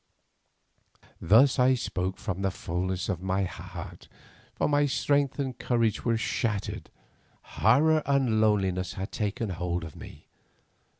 Thus I spoke from the fulness of my heart, for my strength and courage were shattered, horror and loneliness had taken hold of me.